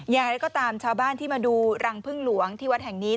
อย่างไรก็ตามชาวบ้านที่มาดูรังพึ่งหลวงที่วัดแห่งนี้